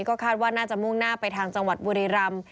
ก็คาดว่าน่าจะมุ่งหน้าไปทางจังหวัดบุรีรำ